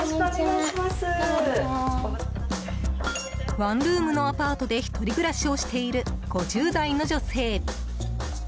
ワンルームのアパートで１人暮らしをしている５０代の女性。